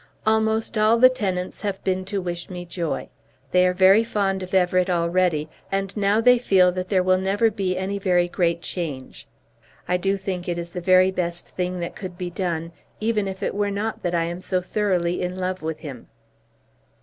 Almost all the tenants have been to wish me joy. They are very fond of Everett already, and now they feel that there will never be any very great change. I do think it is the very best thing that could be done, even if it were not that I am so thoroughly in love with him.